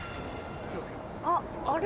あっあれ？